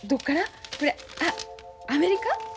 あっアメリカ？